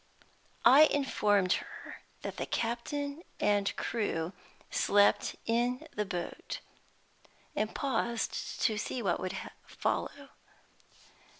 I informed her that the captain and crew slept in the boat, and paused to see what would follow.